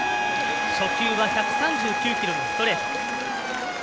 初球は１３９キロのストレート。